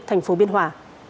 thành phố biên hòa